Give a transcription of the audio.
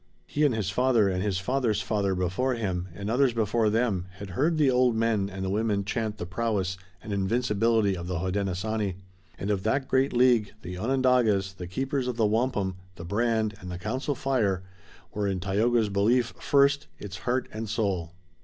He and his father and his father's father before him and others before them had heard the old men and the women chant the prowess and invincibility of the Hodenosaunee, and of that great league, the Onondagas, the Keepers of the Wampum, the Brand and the Council Fire, were in Tayoga's belief first, its heart and soul.